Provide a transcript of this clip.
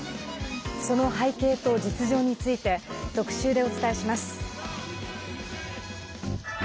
その背景と実情について特集でお伝えします。